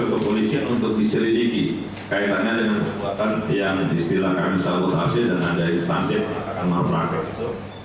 kepolisian untuk diselidiki kaitannya dengan perkeluaran yang disebilang kami sabotasi dan ada instansi akan memperangkat